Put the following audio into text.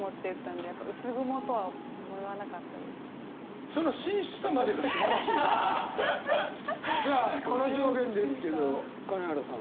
ではこの表現ですけど金原さん。